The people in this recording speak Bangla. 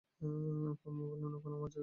কুমু বললে, ওখানে আমার জায়গা নেই।